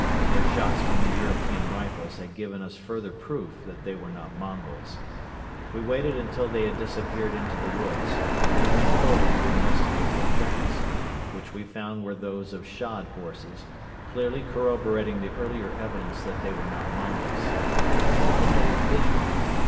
Their shots from the European rifles had given us further proof that they were not Mongols. We waited until they had disappeared into the woods and then went forward to investigate their tracks, which we found were those of shod horses, clearly corroborating the earlier evidence that they were not Mongols. Who could they have been?